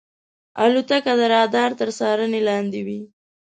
الوتکه د رادار تر څارنې لاندې وي.